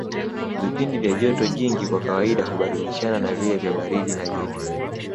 Vipindi vya joto jingi kwa kawaida hubadilishana na vile vya baridi na joto